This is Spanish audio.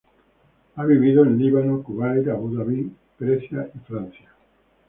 Ha vivido en Líbano, Kuwait, Abu Dhabi, Grecia y Francia.